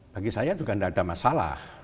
bagi saya juga tidak ada masalah